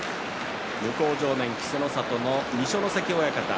向正面、稀勢の里の二所ノ関親方。